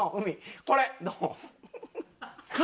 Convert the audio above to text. これどう？